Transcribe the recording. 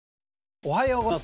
おはようございます。